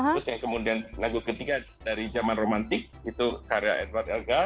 terus yang kemudian lagu ketiga dari zaman romantik itu karya edward elgar